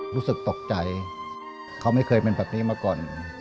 รู้สึกตกใจเขาไม่เคยเป็นแบบนี้มาก่อน